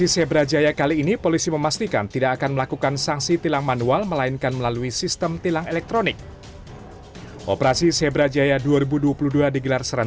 seberapa orang dihentikan di kawasan tugutani menteng